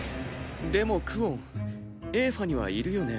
でもクオンエーファにはいるよね